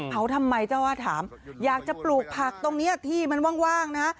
ทำไมเจ้าว่าถามอยากจะปลูกผักตรงนี้ที่มันว่างนะฮะ